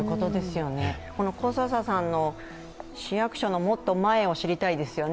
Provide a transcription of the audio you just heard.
この小笹さんの市役所のもっと前を知りたいですよね。